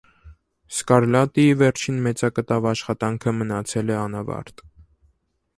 Սկարլատիի վերջին մեծակտավ աշխատանքը մնացել է անավարտ։